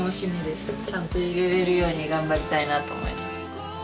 ちゃんと入れれるように頑張りたいなと思います。